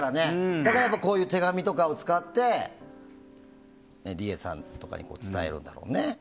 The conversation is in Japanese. だからこういう手紙とかを使ってリエさんとかに伝えるんだろうね。